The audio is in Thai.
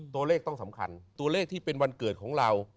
ตัวเลขต้องสำคัญตัวเลขที่เป็นวันเกิดของเรา